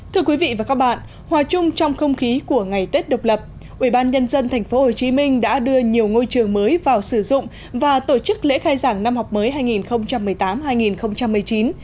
thưa quý vị và các bạn hòa chung trong không khí của ngày tết độc lập ubnd tp hcm đã đưa nhiều ngôi trường mới vào sử dụng và tổ chức lễ khai giảng năm học mới hai nghìn một mươi tám hai nghìn một mươi chín